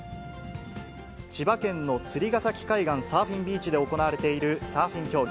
千葉県の釣ヶ崎海岸サーフィンビーチで行われているサーフィン競技。